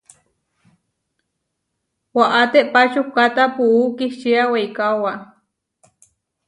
Waʼá téʼpa čukkata puú kihčia weikaóba.